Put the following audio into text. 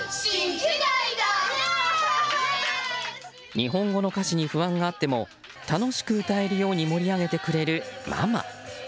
日本語の歌詞に不安があっても楽しく歌えるように盛り上げてくれるママ。